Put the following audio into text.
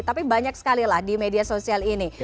tapi banyak sekali lah di media sosial ini